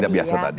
tidak biasa tadi